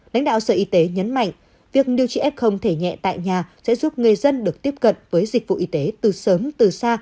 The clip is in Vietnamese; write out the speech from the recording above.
lãnh đạo sở y tế nhấn mạnh việc điều trị f thể nhẹ tại nhà sẽ giúp người dân được tiếp cận với dịch vụ y tế từ sớm từ xa